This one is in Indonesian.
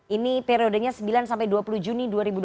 ini periodenya sembilan sampai dua puluh juni dua ribu dua puluh